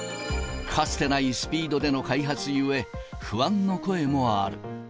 かつてないスピードでの開発ゆえ、不安の声もある。